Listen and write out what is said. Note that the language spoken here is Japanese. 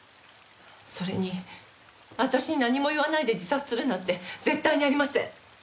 それに私に何も言わないで自殺するなんて絶対にありません。